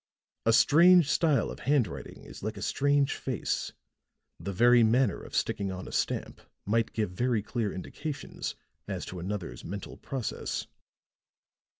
A strange style of handwriting is like a strange face; the very manner of sticking on a stamp might give very clear indications as to another's mental process."